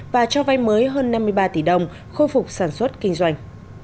và cho vay mới hơn năm mươi ba tỷ đồng khôi phục sản xuất kinh doanh